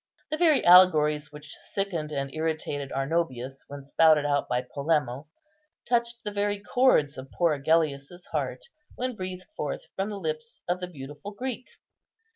(3) The very allegories which sickened and irritated Arnobius when spouted out by Polemo, touched the very chords of poor Agellius's heart when breathed forth from the lips of the beautiful Greek.